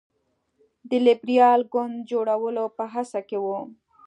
د لېبرال ګوند جوړولو په هڅه کې وو.